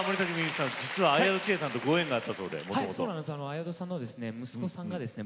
綾戸さんの息子さんがですね